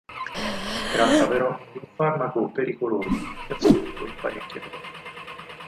Si tratta però di un farmaco pericoloso se assunto in parecchie dosi.